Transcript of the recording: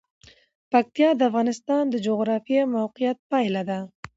پکتیا د افغانستان د جغرافیایي موقیعت پایله ده.